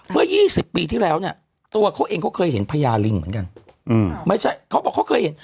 เมื่อ๒๐ปีที่แล้วเนี่ยตัวเขาเห็นเขาเคยเห็นภรรยาลิงเหมือนกัน